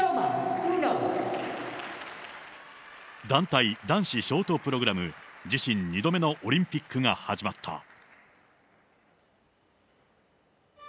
団体男子ショートプログラム、自身２度目のオリンピックが始まった。